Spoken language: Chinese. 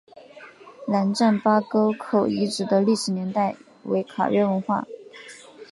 兰占巴沟口遗址的历史年代为卡约文化。